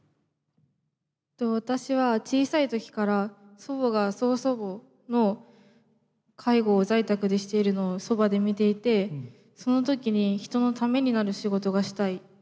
私は小さい時から祖母が曽祖母の介護を在宅でしているのをそばで見ていてその時に人のためになる仕事がしたい。